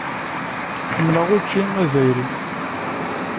Ḥemmleɣ učči azzayri.